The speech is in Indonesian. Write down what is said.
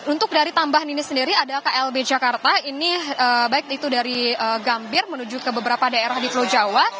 untuk dari tambahan ini sendiri ada klb jakarta ini baik itu dari gambir menuju ke beberapa daerah di pulau jawa